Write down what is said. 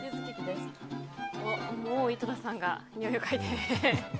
もう井戸田さんがにおいをかいで。